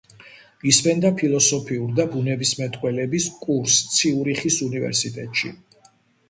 ისმენდა ფილოსოფიურ და ბუნებისმეტყველების კურსს ციურიხის უნივერსიტეტში.